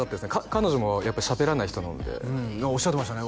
彼女もやっぱりしゃべらない人なのでおっしゃってましたね